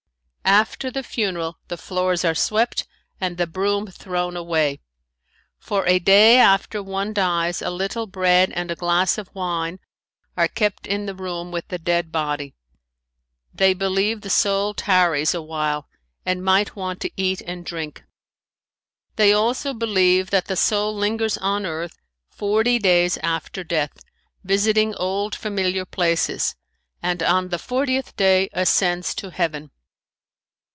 After the funeral the floors are swept and the broom thrown away. For a day after one dies a little bread and a glass of wine are kept in the room with the dead body. They believe the soul tarries awhile and might want to eat and drink. They also believe that the soul lingers on earth forty days after death, visiting old familiar places and on the fortieth day ascends to heaven.